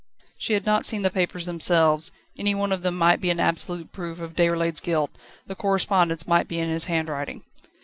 She had not seen the papers themselves; any one of them might be an absolute proof of Déroulède's guilt; the correspondence might be in his handwriting.